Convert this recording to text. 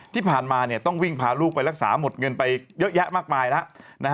ที่ผ่านมาต้องวิ่งพาลูกไปรักษาหมดเงินไปเยอะแยะมากมายแล้ว